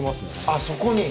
あっそこに。